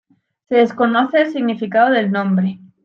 Se desconoce el significado del nombre.